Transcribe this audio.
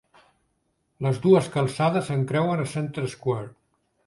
Les dues calçades s'encreuen a Center Square.